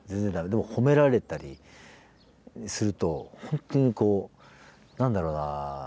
でも褒められたりすると本当に何だろうな？